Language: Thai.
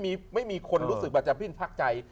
ก็ไม่มีคนรู้สึกว่าจะพริกพรักใจ